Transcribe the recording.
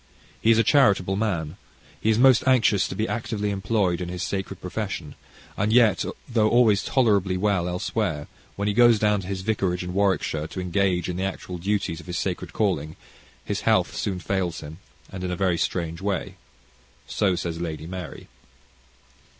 He is a charitable man. He is most anxious to be actively employed in his sacred profession, and yet though always tolerably well elsewhere, when he goes down to his vicarage in Warwickshire, to engage in the actual duties of his sacred calling, his health soon fails him, and in a very strange way. So says Lady Mary.